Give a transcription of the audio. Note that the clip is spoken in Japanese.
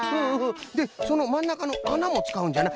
でそのまんなかのあなもつかうんじゃな。